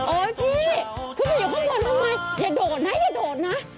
โอ้ยพี่คุณผู้ชายอยู่ข้างบนลงมาอย่าโดดนะอย่าโดดนะ